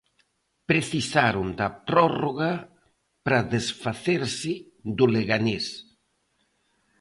Precisaron da prórroga pra desfacerse do Leganés.